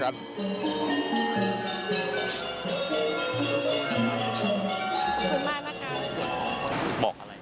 ขอบคุณมากนะคะ